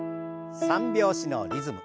３拍子のリズム。